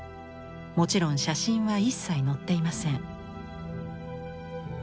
もちろん写真は一切載っていません。